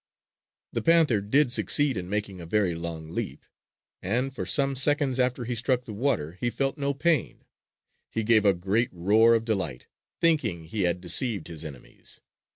The panther did succeed in making a very long leap, and for some seconds after he struck the water he felt no pain. He gave a great roar of delight, thinking he had deceived his enemies.